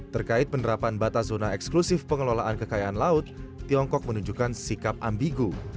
terkait penerapan batas zona eksklusif pengelolaan kekayaan laut tiongkok menunjukkan sikap ambigu